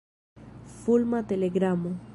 Fulma telegramo.